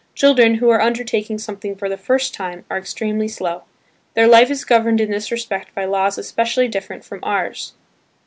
Children, who are undertaking something for the first time are extremely slow. Their life is governed in this respect by laws especially different from ours.